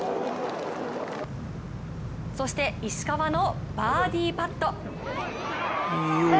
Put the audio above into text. そして、石川のバーディーパット。